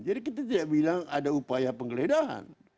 jadi kita tidak bilang ada upaya penggeledahan